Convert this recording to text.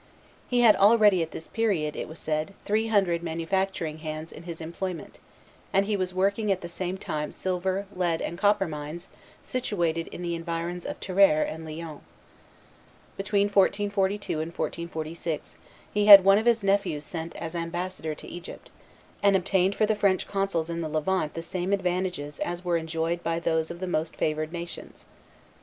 He had already at this period, it was said, three hundred manufacturing hands in his employment, and he was working at the same time silver, lead, and copper mines situated in the environs of Tarare and Lyons. Between 1442 and 1446 he had one of his nephews sent as ambassador to Egypt, and obtained for the French consuls in the Levant the same advantages as were enjoyed by those of the most favored nations.